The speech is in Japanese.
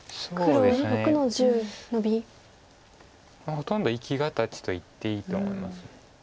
ほとんど生き形といっていいと思います。